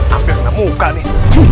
hampir kena muka nih